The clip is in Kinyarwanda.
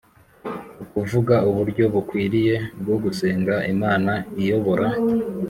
ukuvuga uburyo bukwiriye bwo gusenga Imana iyobora